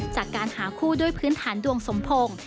จากการหาคู่ด้วยพื้นฐานดวงสมพงศ์